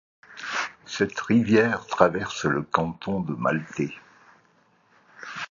Cette rivière traverse le canton de Maltais.